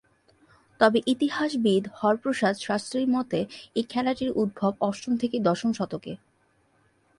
তবে ইতিহাসবিদ হরপ্রসাদ শাস্ত্রীর মতে, এই খেলাটির উদ্ভব অষ্টম থেকে দশম শতকে।